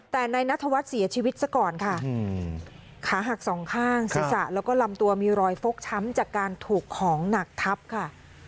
แต่นายนัทวัฒน์เสียชีวิตซะก่อนค่ะขาหักสองข้างศีรษะแล้วก็ลำตัวมีรอยฟกช้ำจากการถูกของหนักทับค่ะ